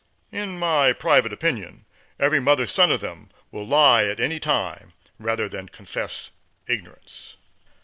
In my private opinion every mother's son of them will lie at any time rather than confess ignorance.